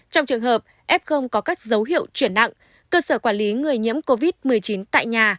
trong trường hợp f có các dấu hiệu chuyển nặng cơ sở quản lý người nhiễm covid một mươi chín tại nhà